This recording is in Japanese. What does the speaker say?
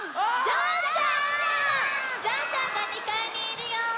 ジャンジャンが２かいにいるよ！